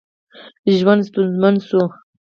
ژوند ستونزمن شو.